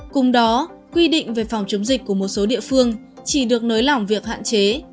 cùng đó quy định về phòng chống dịch của một số địa phương chỉ được nới lỏng việc hạn chế